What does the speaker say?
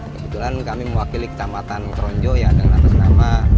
kebetulan kami mewakili kecamatan kronjo ya dengan atas nama